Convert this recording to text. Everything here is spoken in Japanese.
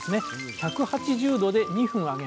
１８０℃で２分揚げます。